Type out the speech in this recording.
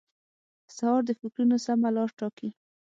سهار د فکرونو سمه لار ټاکي.